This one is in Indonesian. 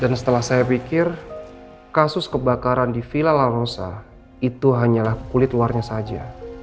dan setelah saya pikir kasus kebakaran di villa lalosa itu hanyalah kulit luarnya saja